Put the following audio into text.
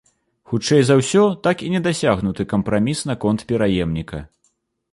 Хутчэй за ўсё, так і не дасягнуты кампраміс наконт пераемніка.